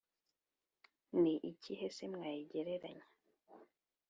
ni ikihe se mwayigereranya?